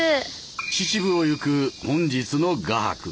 秩父を行く本日の画伯。